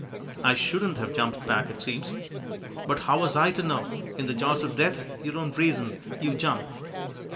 I shouldn't have jumped back it seems. But how was I to know? In the jaws of death you don't reason, you jump.